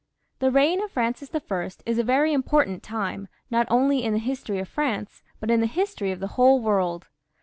The reign of Francis I. is a very important time, not only in the history of France, but in the history of the whole world.